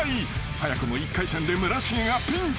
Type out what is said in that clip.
［早くも１回戦で村重がピンチ］